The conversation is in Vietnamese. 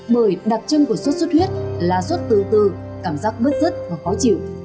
bởi đặc trưng của sốt xuất huyết là sốt từ từ cảm giác bớt dứt và khó chịu